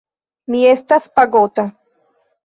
Mi estas pagota.